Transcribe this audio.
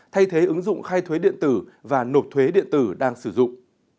thay thế ứng dụng khai thuế điện tử và nộp thuế điện tử đang sử dụng